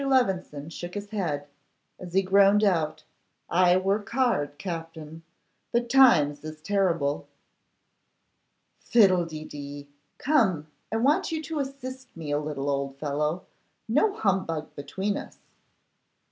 Levison shook his head, as he groaned out, 'I work hard, Captin; but times is terrible.' 'Fiddlededee! Come! I want you to assist me a little, old fellow. No humbug between us.